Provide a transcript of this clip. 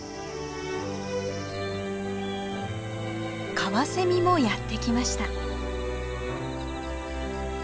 カワセミもやってきました。